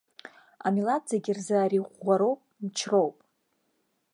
Амилаҭ зегьы рзы ари ӷәӷәароуп, мчроуп.